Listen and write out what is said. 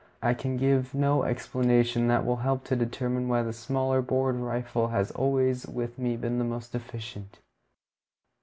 I can give no explanation that will help to determine why the smaller bored rifle has always, with me, been the most efficient.